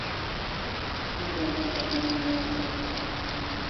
Du dana kalam mai asta de